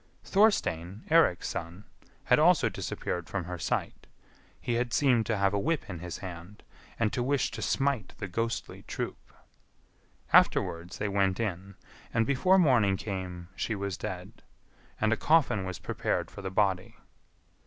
Thorstein, Eirik's son, had also disappeared from her sight; he had seemed to have a whip in his hand, and to wish to smite the ghostly troop. Afterwards they went in, and before morning came she was dead, and a coffin was prepared for the body.